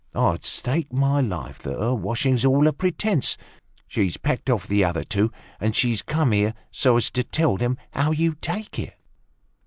I'd stake my life that her washing's all a pretence. She's packed off the other two, and she's come here so as to tell them how you take it."